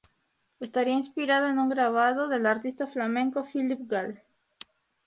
Estaría inspirado en un grabado del artista flamenco Philipe Galle.